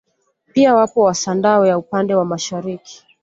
Pia wapo wasandawe upande wa mashariki